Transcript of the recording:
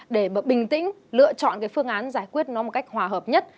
để mà bình tĩnh lựa chọn cái phương án giải quyết nó một cách hòa hợp nhất